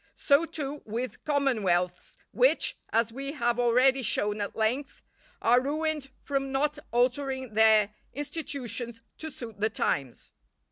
So, too, with commonwealths, which, as we have already shown at length, are ruined from not altering their institutions to suit the times.